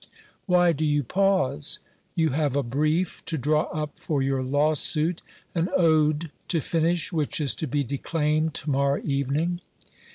Why do you pause? You have a brief to draw up for your lawsuit, an ode to finish which is to be declaimed to morrow evening.